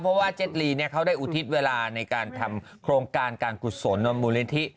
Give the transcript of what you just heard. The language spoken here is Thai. เพราะว่าเจ็ดลีเนี่ยเขาได้อุทิศเวลาในการทำโครงการการกุศลมูลนิธิ